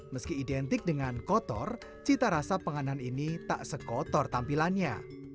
meski identik dengan kotor cita rasa penganan ini tak sekotor tampilannya